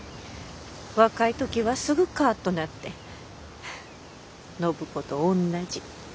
若い時はすぐカッとなって暢子と同じ。